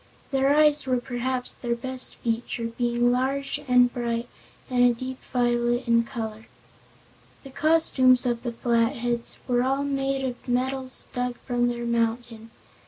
Their eyes were perhaps their best feature, being large and bright and a deep violet in color. The costumes of the Flatheads were all made of metals dug from their mountain.